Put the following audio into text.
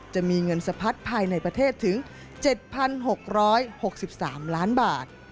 จะมีเงินสะพัดภายในประเทศถึง๗๖๖๓ล้านบาท